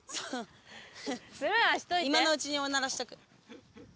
今のうちにおならしとく。